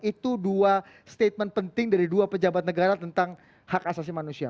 itu dua statement penting dari dua pejabat negara tentang hak asasi manusia